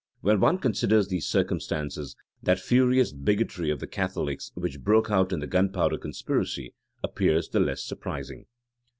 When one considers these circumstances, that furious bigotry of the Catholics which broke out in the gunpowder conspiracy, appears the less surprising.